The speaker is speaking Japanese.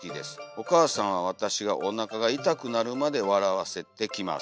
おかあさんは私がおなかがいたくなるまでわらわせてきます」。